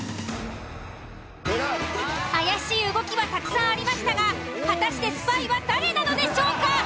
怪しい動きはたくさんありましたが果たしてスパイは誰なのでしょうか？